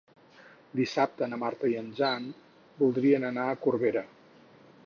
Dissabte na Marta i en Jan voldrien anar a Corbera.